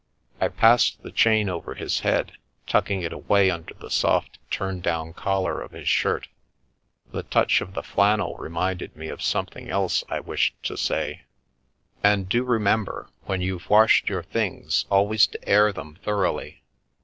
I passed the chain over his head, tucking it away under the soft turn down collar of his shirt. The touch of the flannel reminded me of something else I wished to say. The Babes in St. John's Wood "And do remember, when you've washed your things, always to air them thoroughly.